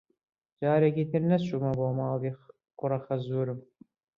جارێکی تر نەچوومەوە بۆ ماڵی کوڕەخەزوورم.